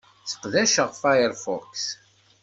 Sseqdaceɣ Firefox.